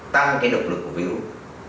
tăng cái độc lực của virus